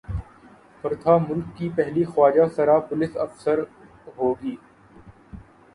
پرتھا ملک کی پہلی خواجہ سرا پولیس افسر ہو گی